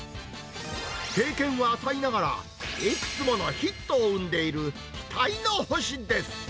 経験は浅いながら、いくつものヒットを生んでいる期待の星です。